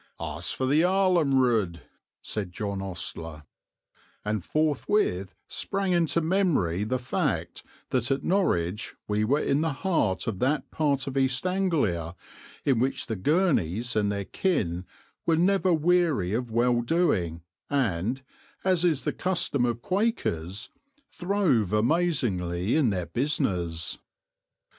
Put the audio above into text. "Ask for the 'Arlam' Road," said John Ostler; and forthwith sprang into memory the fact that at Norwich we were in the heart of that part of East Anglia in which the Gurneys and their kin were never weary of well doing and, as is the custom of Quakers, throve amazingly in their business.